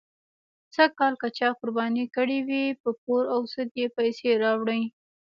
سږکال که چا قرباني کړې وي، په پور او سود یې پیسې راوړې.